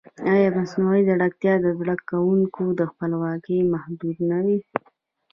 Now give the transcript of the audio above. ایا مصنوعي ځیرکتیا د زده کوونکي خپلواکي نه محدودوي؟